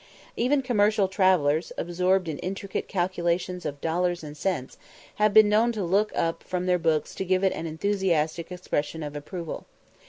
Even commercial travellers, absorbed in intricate calculations of dollars and cents, have been known to look up from their books to give it an enthusiastic expression of approval.